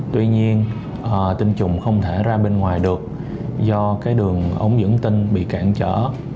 tuy nhiên tinh trùng không thể ra bên ngoài được do cái đường ống dẫn tinh bị cản trở